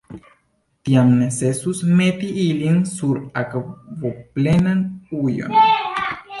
Tiam necesus meti ilin sur akvoplenan ujon.